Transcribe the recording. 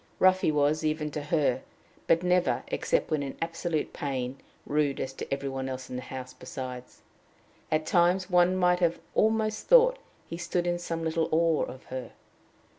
Rough he was, even to her, but never, except when in absolute pain, rude as to everybody in the house besides. At times, one might have almost thought he stood in some little awe of her.